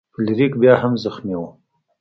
فلیریک بیا هم زخمی و.